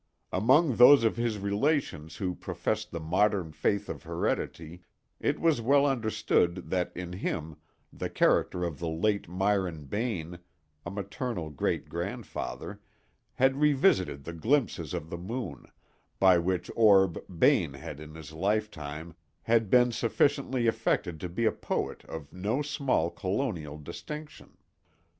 Among those of his relations who professed the modern faith of heredity it was well understood that in him the character of the late Myron Bayne, a maternal great grandfather, had revisited the glimpses of the moon—by which orb Bayne had in his lifetime been sufficiently affected to be a poet of no small Colonial distinction.